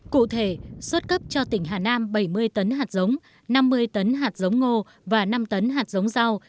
cụ thể xuất cấp cho tỉnh hà nam bảy mươi tấn hạt giống năm mươi tấn hạt giống ngô và năm tấn hạt giống rau